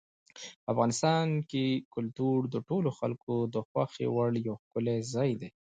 افغانستان کې کلتور د ټولو خلکو د خوښې وړ یو ښکلی ځای دی.